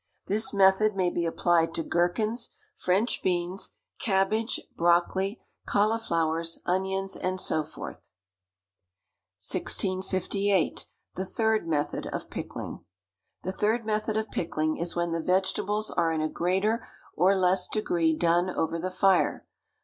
This method may be applied to gherkins, French beans, cabbage, brocoli, cauliflowers, onions, and so forth. 1658. The Third Method of Pickling. The third method of pickling is when the vegetables are in a greater or less degree done over the fire.